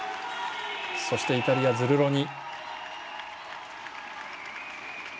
そしてイタリア、ズルロニ。